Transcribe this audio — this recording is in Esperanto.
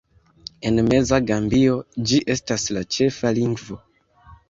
En meza Gambio ĝi estas la ĉefa lingvo.